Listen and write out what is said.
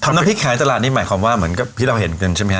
น้ำพริกขายตลาดนี่หมายความว่าเหมือนกับที่เราเห็นกันใช่ไหมฮ